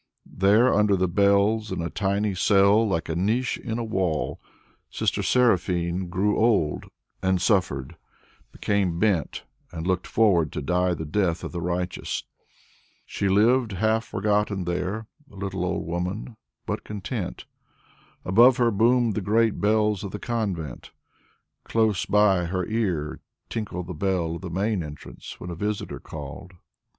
There under the bells, in a tiny cell like a niche in a wall, Sister Seraphine grew old and suffered, became bent and looked forward to die the death of the righteous. She lived half forgotten there, the little old woman, but content. Above her boomed the great bells of the convent, close by her ear tinkled the bell of the main entrance when a visitor called.